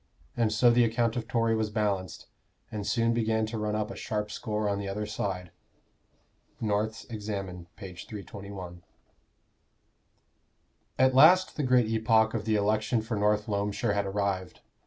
And so the account of Tory was balanced, and soon began to run up a sharp score on the other side." NORTH'S Examen, p. 321. At last the great epoch of the election for North Loamshire had arrived.